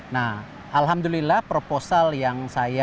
nah alhamdulillah proposal yang saya